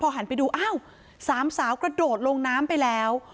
หันไปดูอ้าวสามสาวกระโดดลงน้ำไปแล้ว